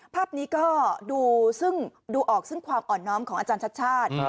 ภาพนี้ก็ดูซึ่งดูออกซึ่งความอ่อนน้อมของอาจารย์ชัดชาติ